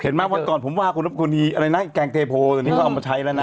เห็นไหมวันก่อนผมว่าคุณนบกรุณีอะไรนะแกงเทพโหนี้เขาเอามาใช้แล้วนะ